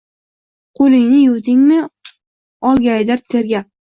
“Qo’lingni yuvdingmi?” – olgaydir tergab